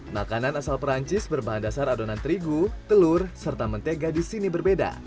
makanan asal perancis berbahan dasar adonan terigu telur serta mentega di sini berbeda